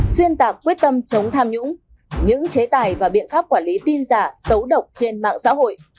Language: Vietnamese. xuyên tạc quyết tâm chống tham nhũng những chế tài và biện pháp quản lý tin giả xấu độc trên mạng xã hội